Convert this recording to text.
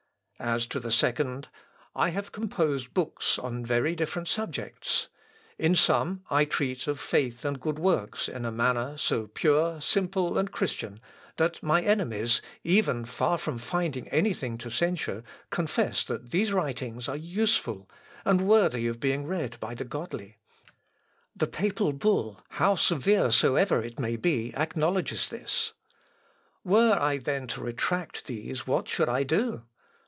"As to the second, I have composed books on very different subjects. In some I treat of faith and good works in a manner so pure, simple, and christian, that my enemies even, far from finding any thing to censure, confess that these writings are useful, and worthy of being read by the godly. The papal bull, how severe soever it may be, acknowledges this. Were I then to retract these what should I do?...